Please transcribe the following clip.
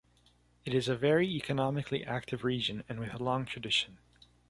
It is a very economically active region and with a long tradition.